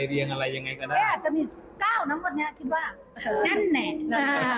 แม่มี๙น้ำบอดนี้ที่บ้างอย่างแนะ